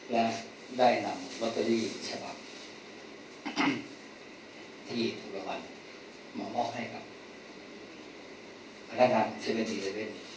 และได้นำลอตเตอรี่ฉบับที่ถูกรางวัลมามอบให้กับพนักงาน๗๑๑